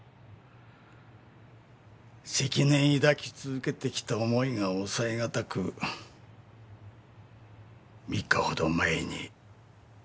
積年抱き続けてきた思いが抑えがたく３日ほど前にしたためました。